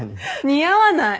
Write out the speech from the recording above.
似合わない。